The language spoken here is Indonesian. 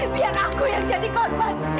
biar aku yang jadi korban